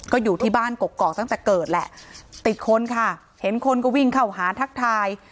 ก็อยู่ที่บ้านกกอกตั้งแต่เกิดแหละติดคนค่ะเห็นคนก็วิ่งเข้าหาทักทาย